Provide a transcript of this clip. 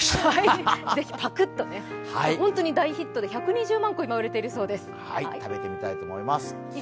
ぜひパクッと、本当に大ヒットで今、１２０万個も売れているそうです。